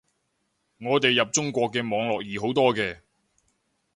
我哋入中國嘅網絡易好多嘅